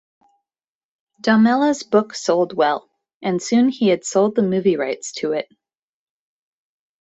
Domela's book sold well, and soon he had sold the movie rights to it.